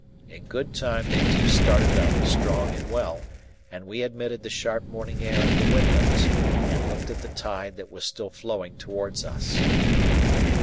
In good time they too started up strong and well, and we admitted the sharp morning air at the windows, and looked at the tide that was still flowing towards us.